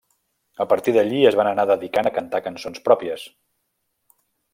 A partir d'allí es van anar dedicant a cantar cançons pròpies.